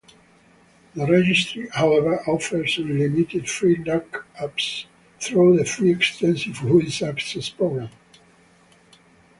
The registry, however, offers unlimited free lookups through the free Extensive Whois access program.